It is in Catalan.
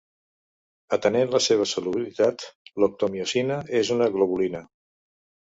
Atenent la seva solubilitat, l'actomiosina és una globulina.